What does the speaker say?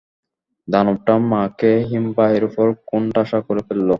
দানবটা মাকে হিমবাহের উপর কোণঠাসা করে ফেলল।